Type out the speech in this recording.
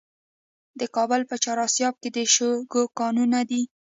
د کابل په چهار اسیاب کې د شګو کانونه دي.